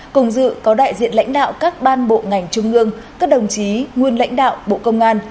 cùng dự có đại diện lãnh đạo các ban bộ ngành trung ương các đồng chí nguyên lãnh đạo bộ công an